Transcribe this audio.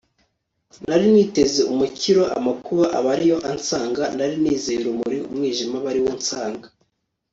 nari niteze umukiro, amakuba aba ari yo ansanga, nari nizeye urumuri, umwijima uba ari wo unsanga